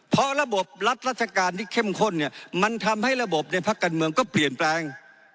เพราะระบบรัฐราชการที่เข้มข้นเนี่ยมันทำให้ระบบในภาคการเมืองก็เปลี่ยนแปลง